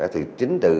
thì chính từ